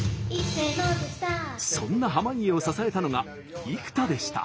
そんな濱家を支えたのが生田でした。